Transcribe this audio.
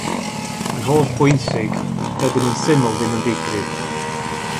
Yn hollbwysig, dydyn nhw'n syml ddim yn ddigrif.